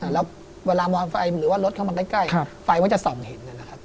แล้วเวลามอนไฟหรือว่ารถเข้ามาใกล้ไฟมันจะส่องเห็นนะครับ